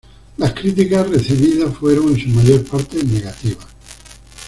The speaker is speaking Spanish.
Las críticas recibidas fueron en su mayor parte negativas.